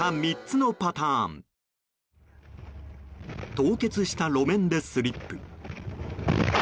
凍結した路面でスリップ。